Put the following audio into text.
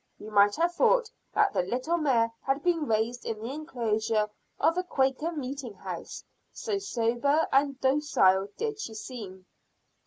You might have thought the little mare had been raised in the enclosure of a Quaker meeting house, so sober and docile did she seem.